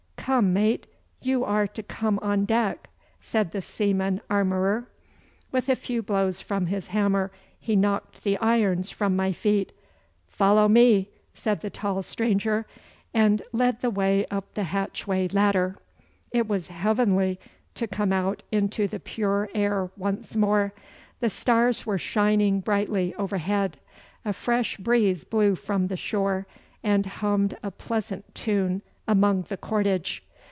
'Come, mate, you are to come on deck!' said the seaman armourer. With a few blows from his hammer he knocked the irons from my feet. 'Follow me!' said the tall stranger, and led the way up the hatchway ladder. It was heavenly to come out into the pure air once more. The stars were shining brightly overhead. A fresh breeze blew from the shore, and hummed a pleasant tune among the cordage.